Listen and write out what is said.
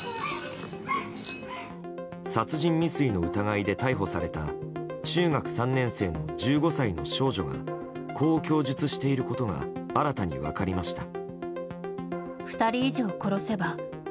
殺人未遂の疑いで逮捕された中学３年生の１５歳の少女がこう供述していることが新たに分かりました。